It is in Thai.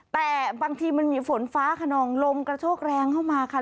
แต่บางทีมันมีฝนฟ้าขนองลมกระโชกแรงเข้ามาค่ะ